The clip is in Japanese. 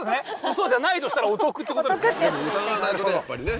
うそじゃないとしたらお得って事ですね。